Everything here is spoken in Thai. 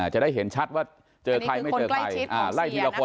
จะได้เห็นชัดว่าเจอใครไม่เจอใครอันนี้คือคนใกล้ชิดของเสียนะคะ